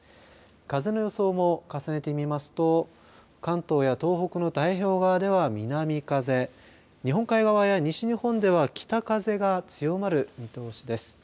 風の予想も重ねて見ますと関東や東北の太平洋側では南風日本海側や西日本では北風が強まる見通しです。